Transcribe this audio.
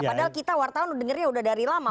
padahal kita wartawan dengernya udah dari lama